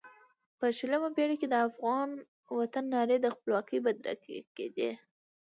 په شلمه پېړۍ کې د افغان وطن نارې د خپلواکۍ بدرګه کېدې.